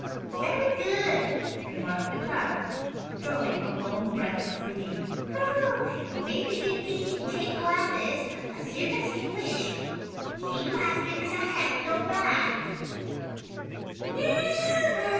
"Very good," remarked the clown, drawing a long breath of relief. "you may begin eating Jane Gladys as soon as you wish. She laughed because I had no back."